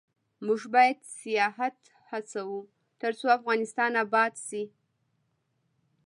موږ باید سیاحت هڅوو ، ترڅو افغانستان اباد شي.